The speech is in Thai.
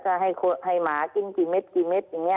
ถ้าให้หมากินกี่เม็ดกี่เม็ดอย่างนี้